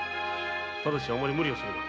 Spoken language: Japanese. ただしあまり無理はするな。